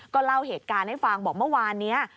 เล่าเหตุการณ์ให้ฟังบอกเมื่อวานนี้